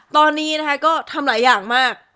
ตอนนี้นะคะก็ทำหลายอย่างมาก